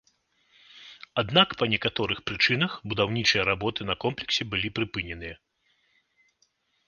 Аднак па некаторых прычынах будаўнічыя работы на комплексе былі прыпыненыя.